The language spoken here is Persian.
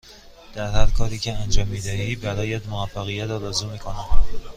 در هرکاری که انجام می دهی برایت موفقیت آرزو می کنم.